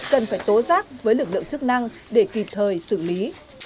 cần phải tố giác với lực lượng chức năng để kịp thời xử lý